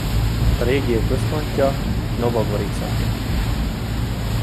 A régió központja Nova Gorica.